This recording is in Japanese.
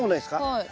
はい。